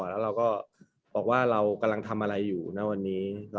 แล้วเราก็บอกว่าเรากำลังทำอะไรอยู่ณวันนี้